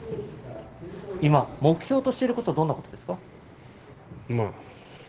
今、目標としていることはどんなことですか？